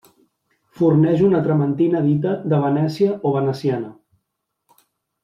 Forneix una trementina dita de Venècia o veneciana.